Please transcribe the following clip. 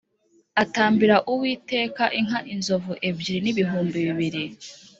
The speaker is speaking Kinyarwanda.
atambira Uwiteka inka inzovu ebyiri n’ibihumbi bibiri